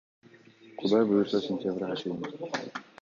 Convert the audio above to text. Кудай буйруса, сентябрга чейин.